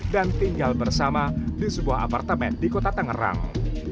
dan tinggal bersama di sebuah apartemen di kota tangerang